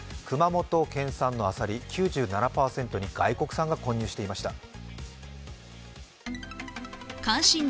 熊本県産のあさり、９７％に外国産が混入していました。